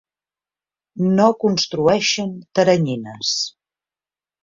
No construeixen teranyines.